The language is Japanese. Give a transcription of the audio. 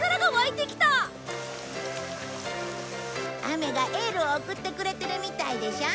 雨がエールを送ってくれてるみたいでしょ。